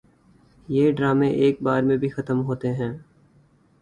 یہ ڈرامے ایک بار میں بھی ختم ہوتے ہیں